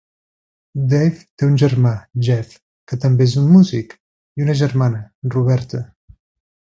Dave té un germà, Jeff, que també és un músic, i una germana, Roberta.